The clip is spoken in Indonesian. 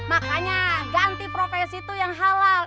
makanya ganti profesi itu yang halal